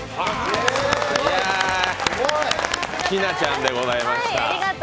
日奈ちゃんでございました。